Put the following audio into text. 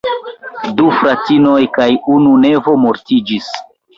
Du fratinoj kaj unu nevo mortiĝis.